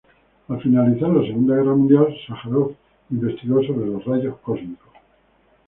Al finalizar la Segunda Guerra Mundial, Sájarov investigó sobre los rayos cósmicos.